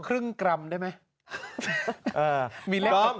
ครึ่งกรัมได้ไหม